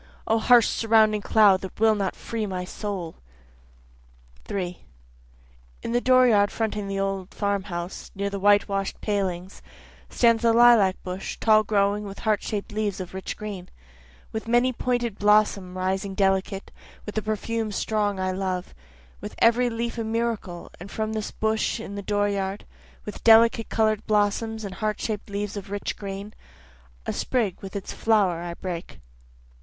O harsh surrounding cloud that will not free my soul. 3 In the dooryard fronting an old farm house near the white wash'd palings, Stands the lilac bush tall growing with heart shaped leaves of rich green, With many a pointed blossom rising delicate, with the perfume strong I love, With every leaf a miracle and from this bush in the dooryard, With delicate color'd blossoms and heart shaped leaves of rich green, A sprig with its flower I break.